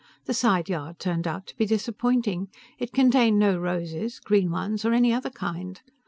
The side yard turned out to be disappointing. It contained no roses green ones, or any other kind.